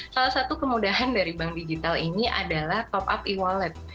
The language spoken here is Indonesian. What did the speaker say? salah satu kemudahan dari bank digital ini adalah top up e wallet